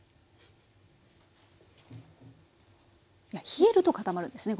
冷えると固まるんですね。